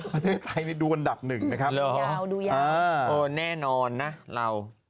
ประเทศไทยนี่ดูอันดับหนึ่งนะครับแน่นอนนะเรา